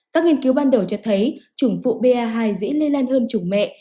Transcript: các nghiên cứu ban đầu cho thấy trùng phụ pa hai dễ lây lan hơn trùng mẹ